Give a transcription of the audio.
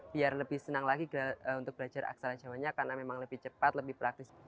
biar lebih senang lagi untuk belajar aksara jawanya karena memang lebih cepat lebih praktis